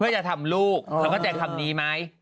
เพื่อจะทำลูกเธอก็จะทำนี้ไหม